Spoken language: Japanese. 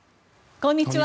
こんにちは。